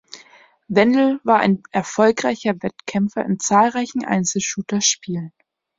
Wendel war ein erfolgreicher Wettkämpfer in zahlreichen Einzel-Shooter-Spielen.